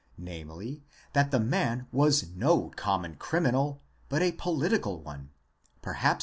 683, namely, that the man was no common criminal, but a political one, perhaps.